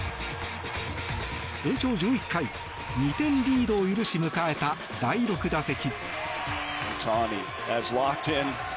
延長１１回、２点リードを許し迎えた第６打席。